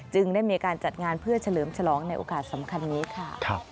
ได้มีการจัดงานเพื่อเฉลิมฉลองในโอกาสสำคัญนี้ค่ะ